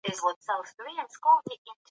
د اقتصاد زده کړه څه ګټه لري؟